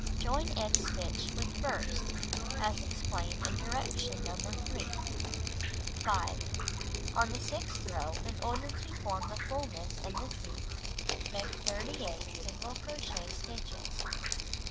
Join end stitch with first as explained in direction No. 3. 5. On the sixth row, in order to form the fullness in the seat, make 38 single crochet stitches.